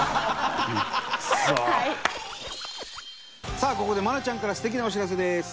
さあここで愛菜ちゃんから素敵なお知らせです。